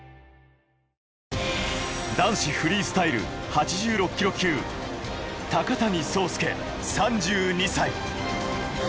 男子フリースタイル８６ｋｇ級、高谷惣亮３２歳。